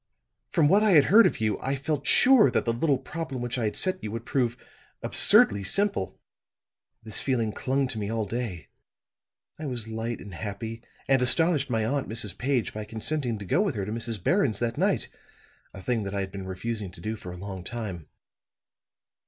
From what I had heard of you, I felt sure that the little problem which I had set you would prove absurdly simple. This feeling clung to me all day; I was light and happy, and astonished my aunt, Mrs. Page, by consenting to go with her to Mrs. Barron's that night, a thing that I had been refusing to do for a long time.